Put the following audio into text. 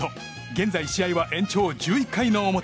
現在、試合は延長１１回の表。